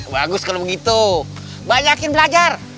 bagus kalau begitu banyakin belajar